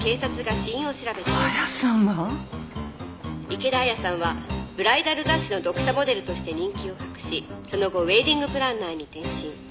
池田亜矢さんはブライダル雑誌の読者モデルとして人気を博しその後ウエディングプランナーに転身。